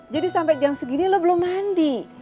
jadi sampai jam segini lo belum mandi